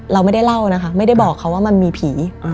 เราไม่ได้เล่านะคะไม่ได้บอกเขาว่ามันมีผี